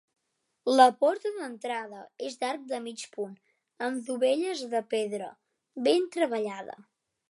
La porta d'entrada és d'arc de mig punt amb dovelles de pedra ben treballada.